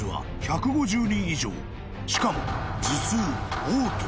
［しかも］